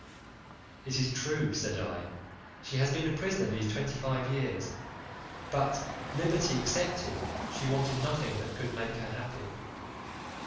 "It is true," said I, "she has been a prisoner these twenty five years; but, liberty excepted she wanted nothing that could make her happy.